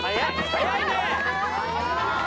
速いねえ。